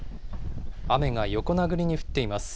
雨が横殴りに降っています。